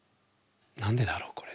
何でだろう